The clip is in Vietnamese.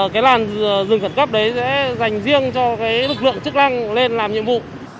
cái làn dừng khẩn cấp đấy sẽ dành riêng cho lực lượng chức lăng lên làm nhiệm vụ